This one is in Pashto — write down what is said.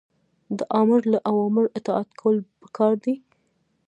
د آمر له اوامرو اطاعت کول پکار دي.